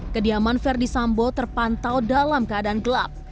kediaman verdi sambo terpantau dalam keadaan gelap